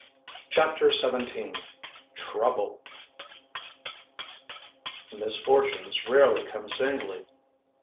CHAPTER XVII TROUBLE Misfortunes rarely come singly.